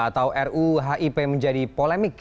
atau ruu hip menjadi polemik